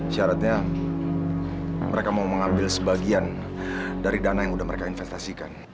syaratnya mereka mau mengambil sebagian dari dana yang sudah mereka investasikan